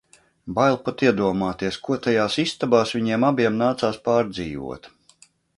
Bail pat iedomāties, ko tajās istabās viņiem abiem nācās pārdzīvot...